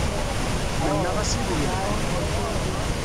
Mennaɣ-as iḍ yelhan.